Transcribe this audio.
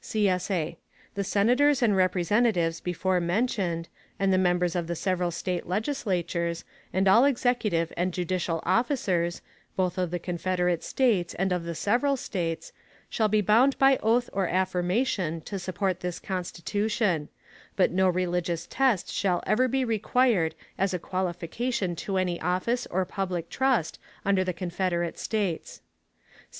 [CSA] The Senators and Representatives before mentioned, and the members of the several State Legislatures, and all executive and judicial officers, both of the Confederate States and of the several States, shall be bound by oath or affirmation to support this Constitution; but no religious test shall ever be required as a qualification to any office or public trust under the Confederate States.